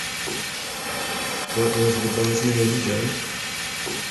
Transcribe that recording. What was the boy's name, Jo?